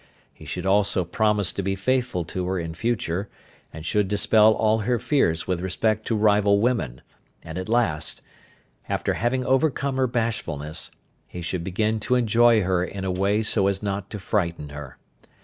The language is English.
He should also promise to be faithful to her in future, and should dispel all her fears with respect to rival women, and, at last, after having overcome her bashfulness, he should begin to enjoy her in a way so as not to frighten her.